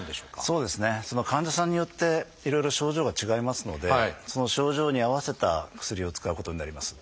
そうですねその患者さんによっていろいろ症状が違いますのでその症状に合わせた薬を使うことになります。